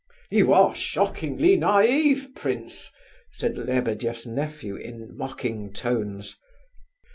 "You are shockingly naive, prince," said Lebedeff's nephew in mocking tones.